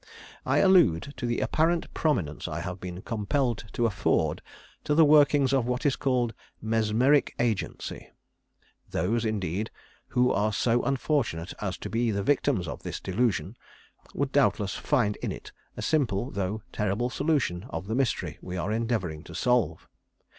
I allude to the apparent prominence I have been compelled to afford to the workings of what is called 'Mesmeric Agency.' Those, indeed, who are so unfortunate as to be the victims of this delusion, would doubtless find in it a simple, though terrible solution of the mystery we are endeavouring to solve.